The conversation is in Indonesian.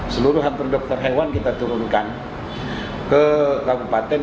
seluruh hampir dokter hewan kita turunkan ke kabupaten